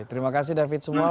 terima kasih david semua